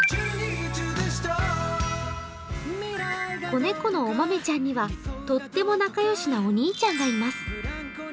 子猫のおまめちゃんにはとっても仲良しなお兄ちゃんがいます。